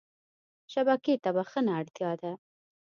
شبکې ته بښنه اړتیا ده.